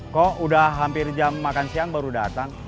kok udah hampir jam makan siang baru datang